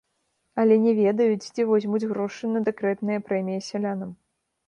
Але не ведаюць, дзе возьмуць грошы на дэкрэтныя прэміі сялянам.